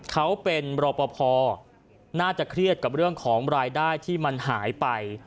เขาเป็นรอปภน่าจะเครียดกับเรื่องของรายได้ที่มันหายไป